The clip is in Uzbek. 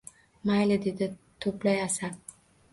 Mayli dedi, to‘play asal